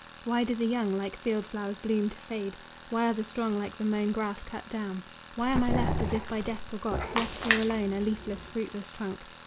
Why do the young like field flowers bloom to fade? Why are the strong like the mown grass cut down? Why am I left as if by death forgot, Left here alone, a leafless, fruitless trunk?